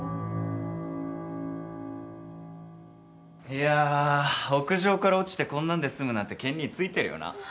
いやぁ屋上から落ちてこんなんで済むなんて健兄ついてるよな。